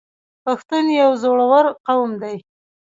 پښتون یو زړور قوم دی.